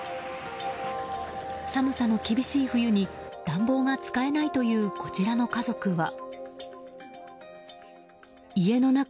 寒さの厳しい冬に暖房が使えないというこちらの家族は。